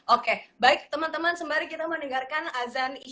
oke baik teman teman sembari kita meninggalkan azan ini